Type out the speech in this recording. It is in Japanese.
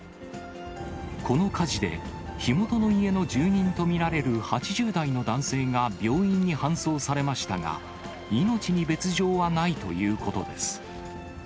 この火事で、火元の家の住人と見られる８０代の男性が病院に搬送されましたが、命に別状はないということです。